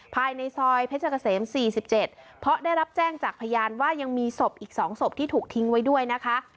ภายในซอยเพชรเกษม๔๗เพราะได้รับแจ้งจากพยานว่ายังมีศพอีก๒ศพที่ถูกทิ้งไว้ด้วยนะคะ